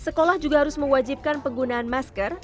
sekolah juga harus mewajibkan penggunaan masker